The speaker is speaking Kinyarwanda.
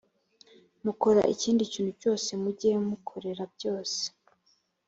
mukora ikindi kintu cyose mujye mukorera byose